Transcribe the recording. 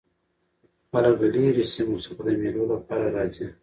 خلک له ليري سیمو څخه د مېلو له پاره راځي.